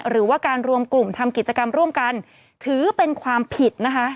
หรือว่าการรวมกลุ่มทำกิจกรรมร่วมกันถือเป็นความผิดนะคะ